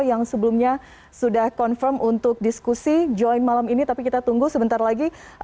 yang sebelumnya sudah confirm untuk diskusi join malam ini tapi kita tunggu sebentar lagi